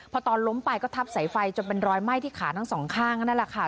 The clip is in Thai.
พอตอนล้มไปก็ทับสายไฟจนเป็นรอยไหม้ที่ขาทั้งสองข้างนั่นแหละค่ะ